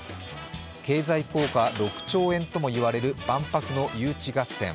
経済効果６兆円ともいわれる万博の誘致合戦。